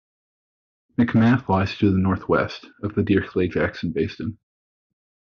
McMath lies to the northwest of the Dirichlet-Jackson Basin.